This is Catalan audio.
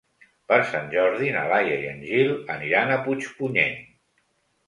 Per Sant Jordi na Laia i en Gil aniran a Puigpunyent.